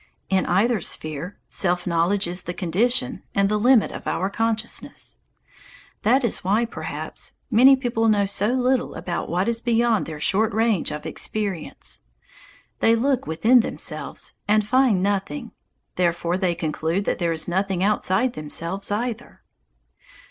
In either sphere self knowledge is the condition and the limit of our consciousness. That is why, perhaps, many people know so little about what is beyond their short range of experience. They look within themselves and find nothing! Therefore they conclude that there is nothing outside themselves, either.